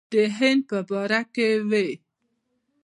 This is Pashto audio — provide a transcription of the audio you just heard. د هند په باره کې وې.